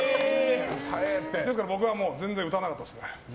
ですから、僕は全然歌わなかったですね。